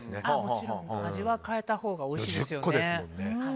味は変えたほうがおいしいですよね。